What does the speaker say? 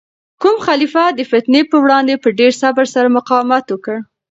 کوم خلیفه د فتنې په وړاندې په ډیر صبر سره مقاومت وکړ؟